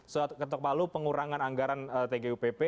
sudah ketok balu pengurangan anggaran tgupp